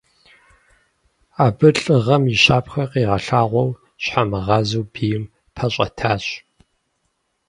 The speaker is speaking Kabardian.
Абы лӀыгъэм и щапхъэ къигъэлъагъуэу, щхьэмыгъазэу бийм пэщӀэтащ.